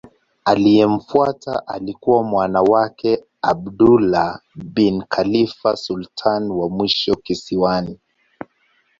Aliyemfuata alikuwa mwana wake Abdullah bin Khalifa sultani wa mwisho kisiwani.